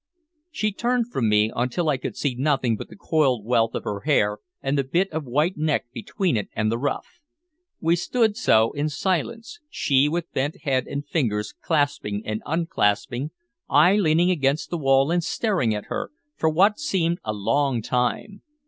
She turned from me, until I could see nothing but the coiled wealth of her hair and the bit of white neck between it and the ruff. We stood so in silence, she with bent head and fingers clasping and unclasping, I leaning against the wall and staring at her, for what seemed a long time.